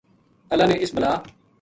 اللہ نے اس بلا